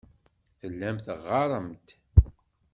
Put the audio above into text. Tellam teɣɣarem-d.